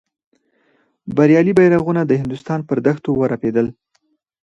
بریالي بیرغونه د هندوستان پر دښتونو ورپېدل.